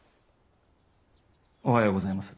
おはようございます。